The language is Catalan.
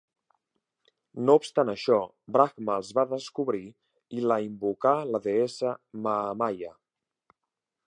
No obstant això, Brahma els va descobrir i la invocar la deessa Mahamaya.